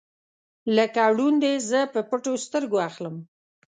لکه ړوند یې زه په پټو سترګو اخلم